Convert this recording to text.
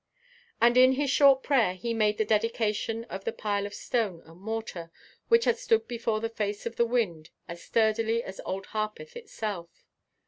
And in his short prayer he made the dedication of the pile of stone and mortar which had stood before the face of the wind as sturdily as old Harpeth itself.